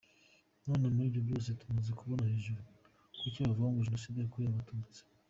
None muri ibyo byose tumaze kubona hejuru, kuki bavuga ngo Jenoside yakorewe abatutsi?